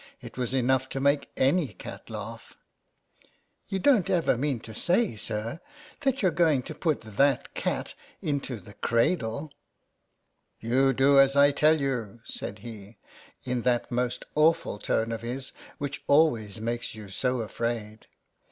It was enough to make any cat laugh. " You don't ever mean to say, sir, as you're going to put that cat into the cradle." " You do as I tell you," said he, in that most awful tone of his, which always makes you so afraid.